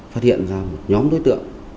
phát hiện ra một nhóm đối tượng